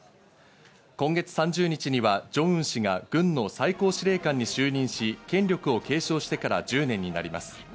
今月３０日にはジョンウン氏が軍の最高司令官に就任し、権力を継承してから１０年になります。